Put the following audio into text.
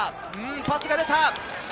パスが出た。